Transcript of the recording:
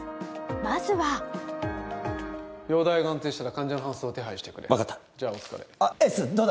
まずは容体が安定したら患者の搬送を手配してくれ分かったじゃあお疲れあっエースどうだ？